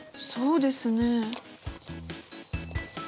そうですね。